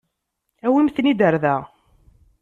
Awimt-tent-id ɣer da.